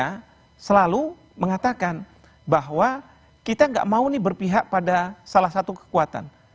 karena selalu mengatakan bahwa kita gak mau berpihak pada salah satu kekuatan